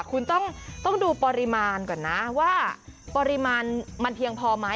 คุณต้องดูปริมาณก่อนนะว่าปริมาณมันเพียงพอไหม